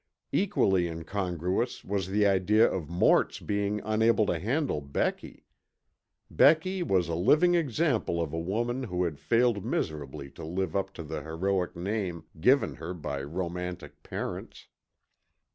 Equally incongruous was the idea of Mort's being unable to handle Becky. Becky was a living example of a woman who had failed miserably to live up to the heroic name given her by romantic parents.